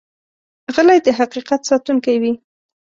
غلی، د حقیقت ساتونکی وي.